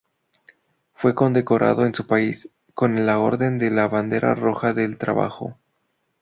Fue condecorada en su país con la Orden de la Bandera Roja del Trabajo.